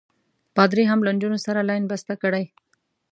پادري هم له نجونو سره لین بسته کړی.